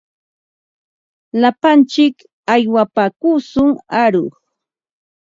Lapantsik aywapaakushun aruq.